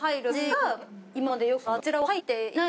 はい。